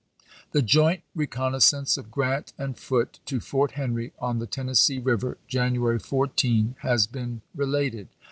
The joint reconnaissance of Grrant and Foote to Fort Henry on the Tennessee River, January 14, has been related.